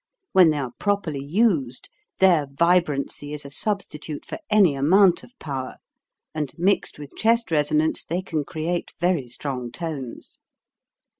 When they are properly used, their vibrancy is a substitute for any amount of power, and mixed with chest resonance they can create very strong tones.